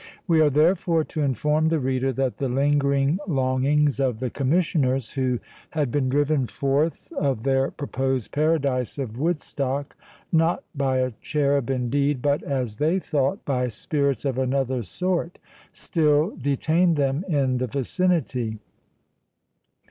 We are, therefore, to inform the reader, that the lingering longings of the Commissioners, who had been driven forth of their proposed paradise of Woodstock, not by a cherub indeed, but, as they thought, by spirits of another sort, still detained them in the vicinity.